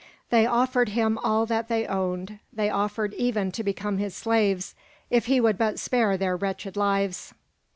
They offered him all that they owned, they offered even to become his slaves, if he would but spare their wretched lives.